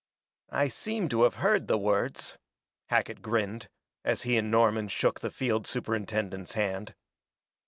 "I seem to have heard the words," Hackett grinned, as he and Norman shook the field superintendent's hand.